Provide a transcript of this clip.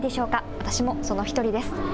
私もその１人です。